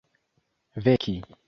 veki